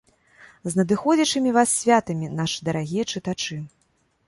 З надыходзячымі вас святамі, нашы дарагія чытачы!